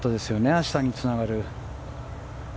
明日につながる。